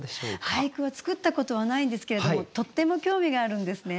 俳句は作ったことはないんですけれどもとっても興味があるんですね。